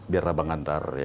biarlah bang antar ya